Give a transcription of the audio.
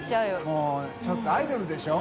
もうちょっとアイドルでしょ？